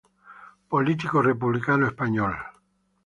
Político republicano español.